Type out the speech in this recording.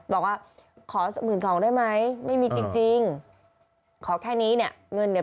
บอกว่าขอหมื่นสองได้ไหมไม่มีจริงจริงขอแค่นี้เนี่ยเงินเนี่ย